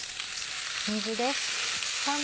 水です。